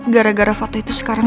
gara gara foto itu sekarang